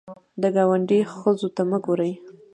د ګاونډي ښځو ته مه ګورې